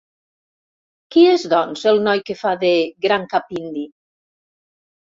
Qui és, doncs, el noi que fa de gran cap indi?